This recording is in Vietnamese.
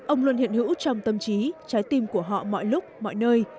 ông luôn hiện hữu trong tâm trí trái tim của họ mọi lúc mọi nơi